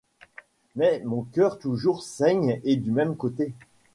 Mais mon cœur toujours saigne et du même côté.